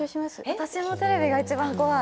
私もテレビが一番怖い。